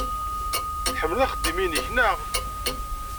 Tḥemmleḍ axeddim-nnek, naɣ?